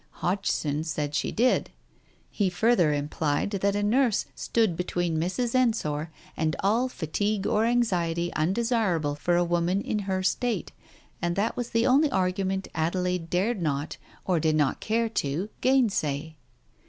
Hodgson said she did. He further implied that a nurse stood between Mrs. Ensor and all fatigue or anxiety undesirable for a woman in her state, and that was the only argument Adelaide dared not, or did not care to, gainsay.